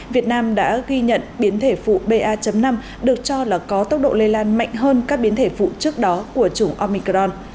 việt nam đã ghi nhận biến thể phụ ba năm được cho là có tốc độ lây lan mạnh hơn các biến thể phụ trước đó của chủng omicron